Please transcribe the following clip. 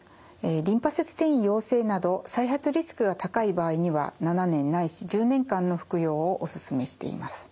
リンパ節転移陽性など再発リスクが高い場合には７年ないし１０年間の服用をお勧めしています。